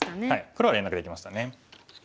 黒は連絡できましたね。